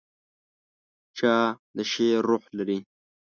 چای د شعر روح لري.